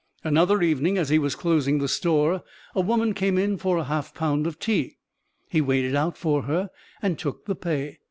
Another evening, as he was closing the store, a woman came in for a half pound of tea. He weighed it out for her and took the pay.